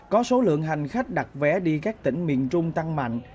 có số lượng hành khách đặt vé đi các tỉnh miền trung tăng mạnh